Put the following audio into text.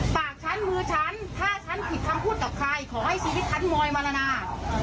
ปากฉันมือฉันถ้าฉันผิดคำพูดกับใครขอให้ชีวิตฉันมอยมรณา